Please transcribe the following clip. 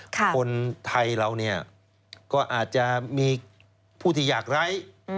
คนไทยเราเนี่ยก็อาจจะมีผู้ที่อยากไร้